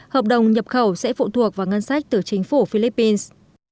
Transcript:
hợp đồng nhập khẩu sẽ phụ thuộc vào ngân sách từ chính phủ philippines